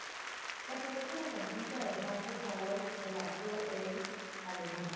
Pertenece a la plantilla del Hamburg Towers de la ProA alemana.